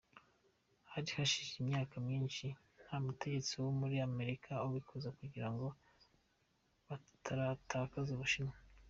Hari hashize imyaka myinshi nta mutegetsi wo muri Amerika ubikora kugirango batarakaza Ubushinwa.